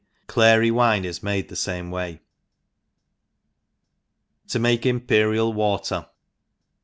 Clary wine is made the fame wayt Tq make luTZKiAi Water.